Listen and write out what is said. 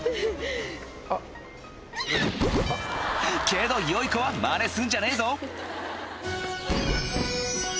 けどよい子はマネすんじゃねえぞ